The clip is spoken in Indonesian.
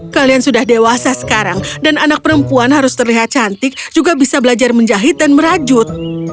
kalian sudah dewasa sekarang dan anak perempuan harus terlihat cantik juga bisa belajar menjahit dan merajut